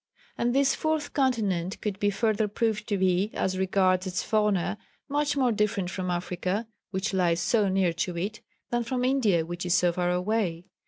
And this fourth continent could be further proved to be, as regards its fauna, much more different from Africa, which lies so near to it, than from India which is so far away.